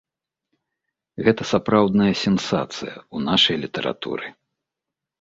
Гэта сапраўдная сенсацыя ў нашай літаратуры.